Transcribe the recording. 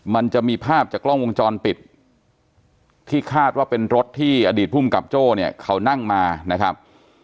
มันจะมีภาพจากกล้องวงจรปิดที่คาดว่าเป็นรถที่อดีตภูมิกับโจ้เนี่ยเขานั่งมานะครับ